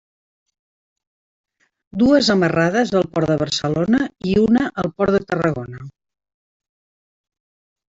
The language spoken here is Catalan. Dues amarrades al port de Barcelona i una al port de Tarragona.